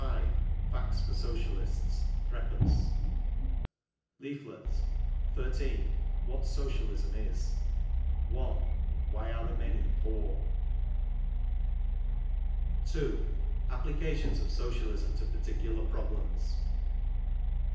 Facts for Socialists. 3d. Leaflets. — 13. What Socialism Is.^ i. Why are the Many PoorP II. — Applications of Socialism to Particular Problems.